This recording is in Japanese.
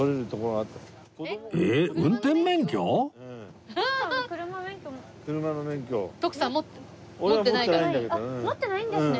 あっ持ってないんですね。